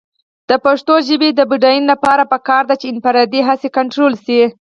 د پښتو ژبې د بډاینې لپاره پکار ده چې انفرادي هڅې کنټرول شي.